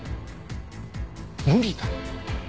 無理だ。